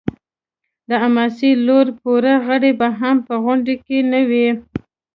د حماس لوړ پوړي غړي به هم په غونډه کې نه وي.